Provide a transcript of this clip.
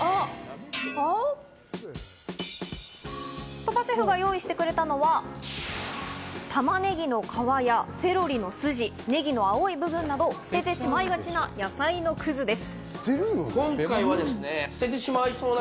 鳥羽シェフが用意してくれたのは、玉ねぎの皮やセロリの筋、ネギの青い部分など、捨ててしまいがちな野菜くずです。